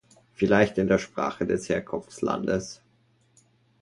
Vielleicht in der Sprache des Herkunftslandes?